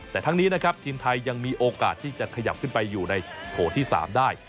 แต่ทั้งนี้นะครับทีมไทยยังมีโอกาสที่จะขยับขึ้นไปอยู่ในโถที่๓ได้